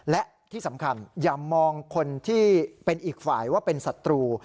และที่สำคัญอย่ามองคนที่เป็นอีกฝ่ายว่าเป็นศัตรู